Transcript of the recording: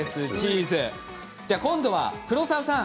じゃ今度は黒沢さん！